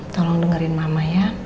tolong dengerin mama ya